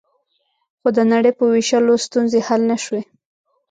خو د نړۍ په وېشلو ستونزې حل نه شوې